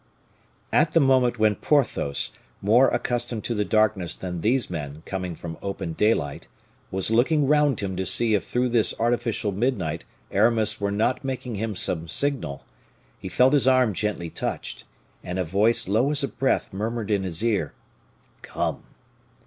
At the moment when Porthos, more accustomed to the darkness than these men, coming from open daylight, was looking round him to see if through this artificial midnight Aramis were not making him some signal, he felt his arm gently touched, and a voice low as a breath murmured in his ear, "Come."